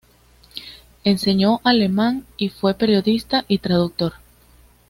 Enseñó alemán y fue periodista y traductor.